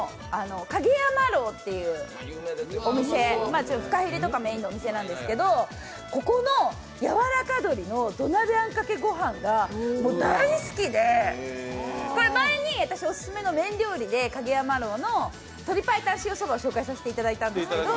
蔭山樓というお店、フカヒレとかメーンのお店なんですけど、ここのやわらか鶏の土鍋あんかけ御飯が大好きでこれ、前に私オススメの麺料理で、蔭山樓の鶏白湯塩そばを紹介させていただいたんですけど。